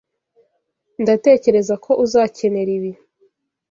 Ndatekereza ko uzakenera ibi.